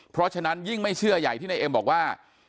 เพราะฉะนั้นยิ่งไม่เชื่อใหญ่ที่นายเอ็มบอกว่า